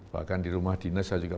bahkan di rumah dinas saya juga